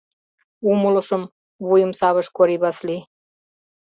— Умылышым, — вуйым савыш Кори Васлий.